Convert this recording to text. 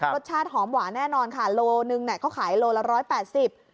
รสชาติหอมหวานแน่นอนค่ะโลหนึ่งเนี่ยเขาขายโลละร้อยแปดสิบ